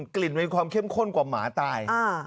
กลิ่นมีความเข้มข้นกว่าหมาตาย